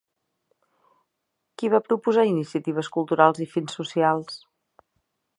Qui va proposar iniciatives culturals i fins socials?